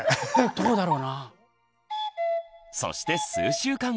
どうだろうな？